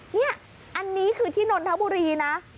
นี่อันนี้คือที่นนทบุรีนะ